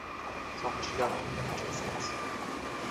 S-au câștigat multe în acest sens.